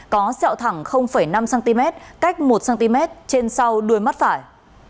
có sẹo thẳng năm cm cách một cm trên sau đuôi mắt phải